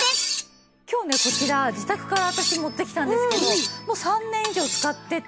今日ねこちら自宅から私持ってきたんですけどもう３年以上使ってて。